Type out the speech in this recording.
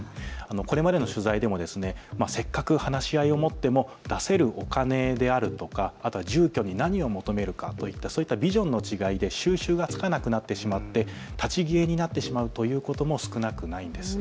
これまでの取材でもせっかく話し合いを持っても出せるお金や住居に何を求めるかといったビジョンの違いで収拾がつかなくなってしまい立ち消えになってしまうということも少なくないんです。